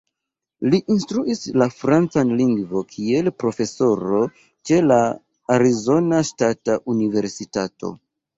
Li instruis la francan lingvon kiel profesoro ĉe la Arizona Ŝtata Universitato.